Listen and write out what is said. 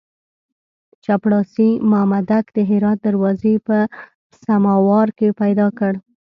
چپړاسي مامدک د هرات دروازې په سماوار کې پیدا کړ.